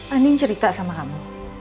andin cerita sama kamu